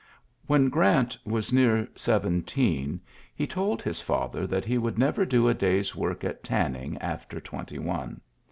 When Grant was near seventeen he told his father that he would never do a day's work at tanning after twenty one.